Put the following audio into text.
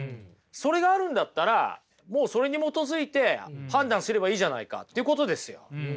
それがあるんだったらもうそれに基づいて判断すればいいじゃないかってことですよ。